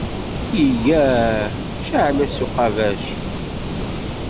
Eyyah! Ceεl-as s uqabac.